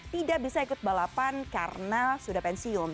tidak bisa ikut balapan karena sudah pensiun